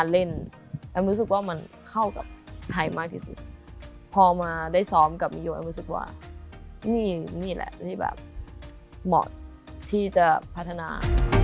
เหมาะที่จะพัฒนา